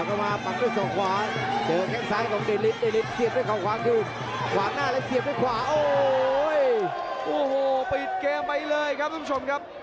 โอ้โหปิดเกมไปเลยครับทุกท่านผู้ชมครับ